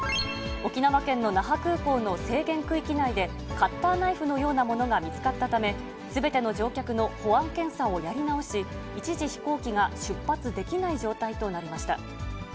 沖縄県の那覇空港の制限区域内で、カッターナイフのようなものが見つかったため、すべての乗客の保安検査をやり直し、一時、飛行機が出発できない状態となりました。